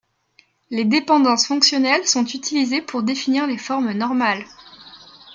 Les dépendances fonctionnelles sont utilisées pour définir les formes normales.